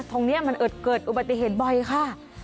ตรงนี้มันเกิดอุบัติเหตุบ่อยค่ะ